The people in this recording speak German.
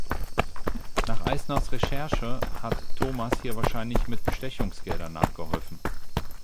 Nach Eisners Recherche hat Thomas hier wahrscheinlich mit Bestechungsgeldern nachgeholfen.